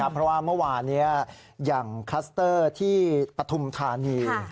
เพราะว่าเมื่อวานนี้อย่างคลัสเตอร์ที่ปฐุมธานี